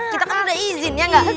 kita kan udah izin ya gak